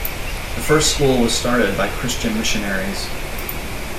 The first school was started by Christian Missionaries.